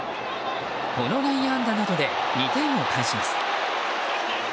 この内野安打などで２点を返します。